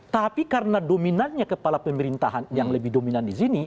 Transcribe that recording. tapi karena dominannya kepala pemerintahan yang lebih dominan di sini